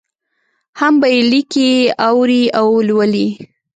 هم به یې لیکي، اوري او لولي.